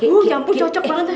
wah ya ampun cocok banget